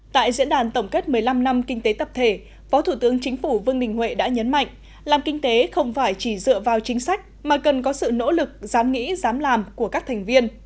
tại diễn đàn tổng kết một mươi năm năm kinh tế tập thể phó thủ tướng chính phủ vương đình huệ đã nhấn mạnh làm kinh tế không phải chỉ dựa vào chính sách mà cần có sự nỗ lực dám nghĩ dám làm của các thành viên